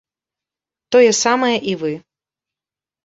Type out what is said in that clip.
Тое самае і вы.